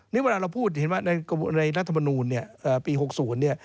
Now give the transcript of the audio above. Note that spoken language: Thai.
นี่เวลาเราพูดในรัฐบาลนูนปี๖๐